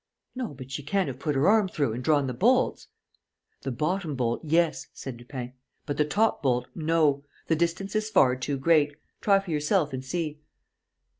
"No, but she can have put her arm through and drawn the bolts." "The bottom bolt, yes," said Lupin. "But the top bolt, no: the distance is far too great. Try for yourself and see."